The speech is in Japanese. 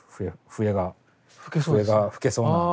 笛が吹けそうな手が。